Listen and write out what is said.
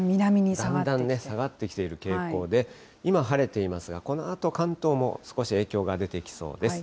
だんだん下がってきている傾向で、今、晴れていますが、このあと、関東も少し影響が出てきそうです。